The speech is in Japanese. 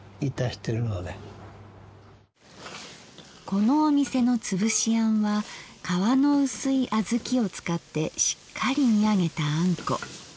このお店の「つぶしあん」は皮の薄いあずきを使ってしっかり煮上げたあんこ。